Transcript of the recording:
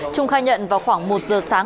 trung khai nhận vào khoảng một giờ sáng